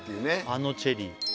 あのチェリーあ